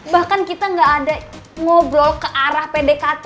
bahkan kita nggak ada ngobrol ke arah pdkt